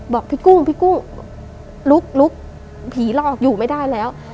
บอกพี่กุ้งลุกเดินมีผีรอกอยู่ไม่ได้นี่